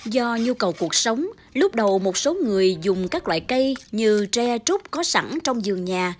do nhu cầu cuộc sống lúc đầu một số người dùng các loại cây như tre trúc có sẵn trong giường nhà